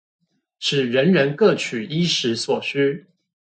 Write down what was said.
使人人各取衣食所需